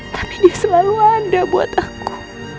tapi dia selalu ada buat aku